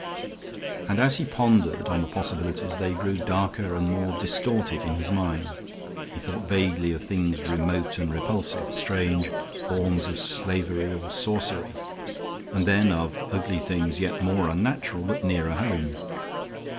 And as he pondered on the possibilities they grew darker and more distorted in his mind; he thought vaguely of things remote and repulsive, strange forms of slavery or sorcery, and then of ugly things yet more unnatural but nearer home.